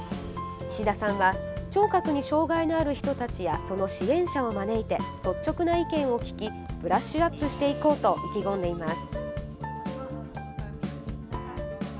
石田さんは聴覚に障害のある人たちやその支援者を招いて率直な意見を聞きブラッシュアップしていこうと意気込んでいます。